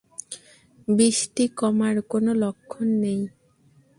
বৃষ্টি কমার কোনো লক্ষণ নেই।